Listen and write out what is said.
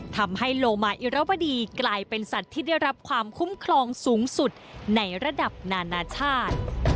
ทำให้โลมาอิรวดีกลายเป็นสัตว์ที่ได้รับความคุ้มครองสูงสุดในระดับนานาชาติ